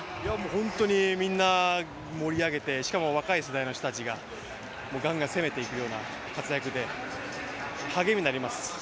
ホントにみんな盛り上げて、しかも若い時代の人たちがガンガン攻めていくような活躍で、励みになります。